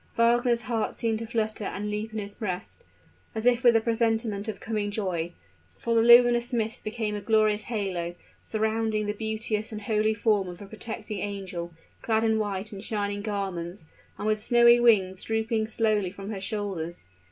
Wagner's heart seemed to flutter and leap in his breast, as if with a presentiment of coming joy; for the luminous mist became a glorious halo, surrounding the beauteous and holy form of a protecting angel, clad in white and shining garments, and with snowy wings drooping slowly from her shoulders!